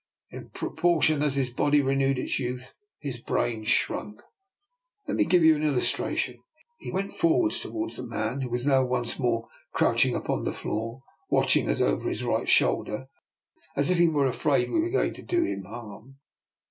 In proportion as his body renewed its youth, his brain shrunk. Let me give you an illustration." He went forwards towards the man, who was now once more crouching upon the floor, watching us over his right shoulder as if he were afraid we were going to do him harm.